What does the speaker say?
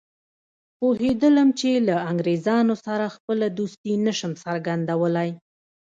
پوهېدلم چې له انګریزانو سره خپله دوستي نه شم څرګندولای.